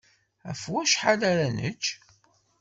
Ɣef wacḥal ara nečč?